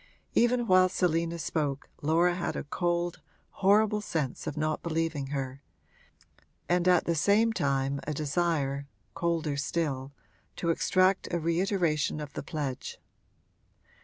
Even while Selina spoke Laura had a cold, horrible sense of not believing her, and at the same time a desire, colder still, to extract a reiteration of the pledge.